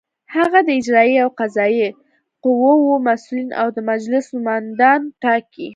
هغه د اجرائیه او قضائیه قواوو مسؤلین او د مجلس نوماندان ټاکي.